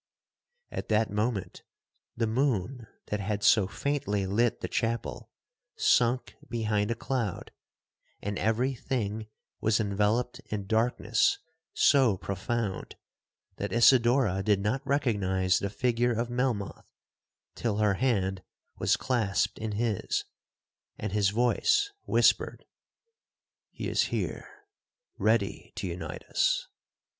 'At that moment the moon, that had so faintly lit the chapel, sunk behind a cloud, and every thing was enveloped in darkness so profound, that Isidora did not recognize the figure of Melmoth till her hand was clasped in his, and his voice whispered, 'He is here—ready to unite us.'